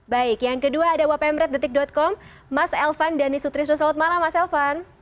baik yang kedua ada wapm red detik com mas elvan dan isutri sosot malam mas elvan